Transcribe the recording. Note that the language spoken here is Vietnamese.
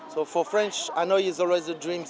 vì vậy cho người pháp hà nội là một thành phố mơ mộng